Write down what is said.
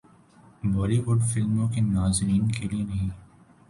بالی would فلموں کے ناظرین کے لئے ہیں